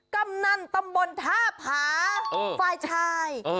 กำนันตำบลท่าผาฝ่ายชาย